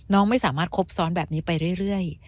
น้องไม่สามารถคบซ้อนแบบนี้ไปเรื่อย